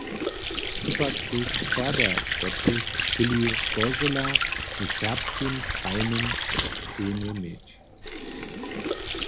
Su pak tež Serbja, kotřiž chcyli Kozela w Sakskim krajnym sejmje měć.